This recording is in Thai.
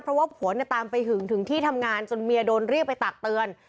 เพราะว่าผัวเนี่ยตามไปหึงถึงที่ทำงานจนเมียโดนเรียกไปตักเตือน